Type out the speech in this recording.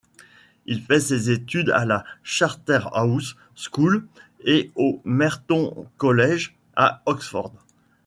Il fait ses études à la Charterhouse School et au Merton College, à Oxford.